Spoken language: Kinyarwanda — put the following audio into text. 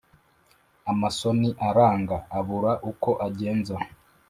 amasoni aranga abura uko agenza